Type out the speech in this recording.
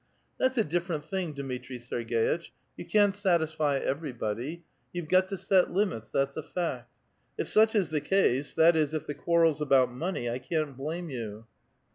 "That's a different thing, Dmitri Serg^itch. You can't satisfy everybody ; you've got to set limits, that's a fact. If such is the case, that is, if the quarrel's about money, I can't blame you."